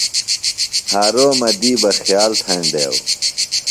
حارومہ دی بہ خیال تھینڈیو۔